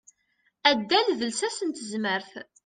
Addal d lsas n tezmert.